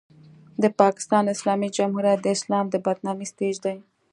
د پاکستان اسلامي جمهوریت د اسلام د بدنامۍ سټېج دی.